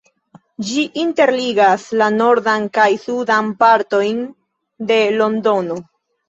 Ĝi interligas la nordan kaj sudan partojn de Londono.